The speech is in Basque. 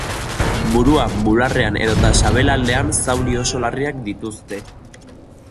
Buruan, bularrean edota sabelaldean zauri oso larriak dituzte.